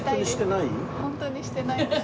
ホントにしてないです。